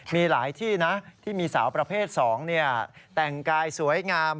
มีหลายที่นะที่มีสาวประเภท๒แต่งกายสวยงาม